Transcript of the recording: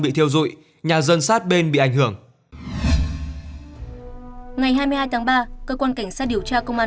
bị thiêu dụi nhà dân sát bên bị ảnh hưởng ngày hai mươi hai tháng ba cơ quan cảnh sát điều tra công an